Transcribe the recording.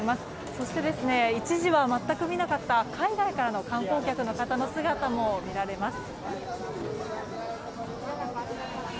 そして、一時は全く見なかった海外からの観光客の方の姿も見られます。